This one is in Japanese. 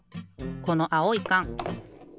このあおいかん。